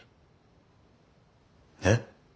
えっ。